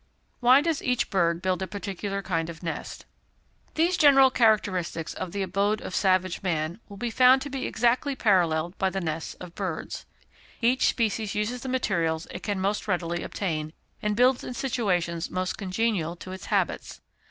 Why does each Bird build a peculiar kind of Nest? These general characteristics of the abode of savage man will be found to be exactly paralleled by the nests of birds. Each species uses the materials it can most readily obtain, and builds in situations most congenial to its habits.